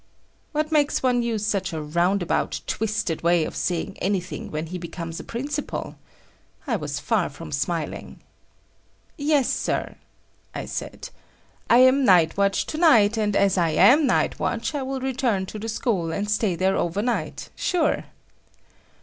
What makes one use such a roundabout, twisted way of saying anything when he becomes a principal? I was far from smiling. "Yes, Sir," I said, "I'm night watch to night, and as I am night watch I will return to the school and stay there overnight, sure."